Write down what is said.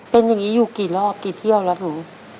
เป็นอย่างนี้อยู่กี่รอบกี่เที่ยวแล้วหนู